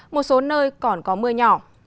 một số nơi còn có mưa nhỏ